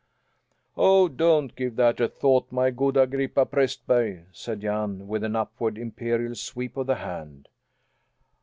"Oh, don't give that a thought my good Agrippa Prästberg!" said Jan, with that upward imperial sweep of the hand.